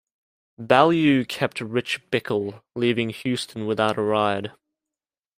Ballew kept Rich Bickle, leaving Houston without a ride.